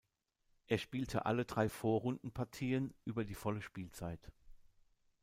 Er spielte alle drei Vorrundenpartien über die volle Spielzeit.